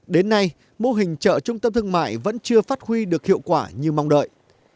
đến nay mô hình chợ trung tâm thương mại vẫn chưa phát huy được hiệu quả như mong đợi